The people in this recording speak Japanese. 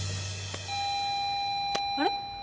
あれ？